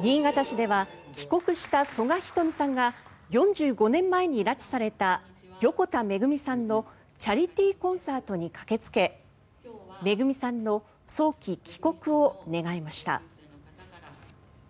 新潟市では帰国した曽我ひとみさんが４５年前に拉致された横田めぐみさんのチャリティーコンサートに駆けつけめぐみさんの早期帰国を願いました。